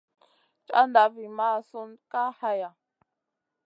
Caʼnda vi mʼasun Kay haya.